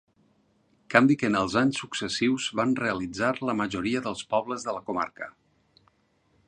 Canvi que en els anys successius van realitzar la majoria dels pobles de la comarca.